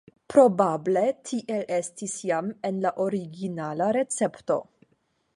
Probable tiel estis jam en la originala recepto.